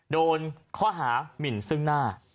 โดนข้อหามินซึ่งหน้า